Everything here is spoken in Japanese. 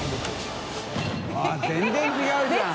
全然違うじゃん！